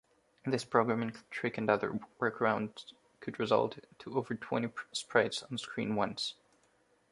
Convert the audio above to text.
This programming trick and other workarounds could result to over twenty sprites onscreen once.